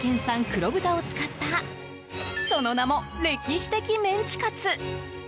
黒豚を使ったその名も歴史的メンチカツ。